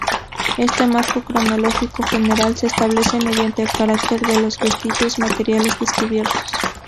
Este marco cronológico general se establece mediante el carácter de los vestigios materiales descubiertos.